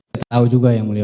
saya tahu juga yang mulia